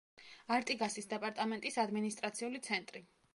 არტიგასის დეპარტამენტის ადმინისტრაციული ცენტრი.